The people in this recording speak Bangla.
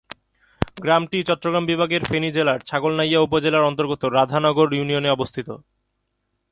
গ্রামটি চট্টগ্রাম বিভাগের ফেনী জেলার ছাগলনাইয়া উপজেলার অন্তর্গত রাধানগর ইউনিয়নে অবস্থিত।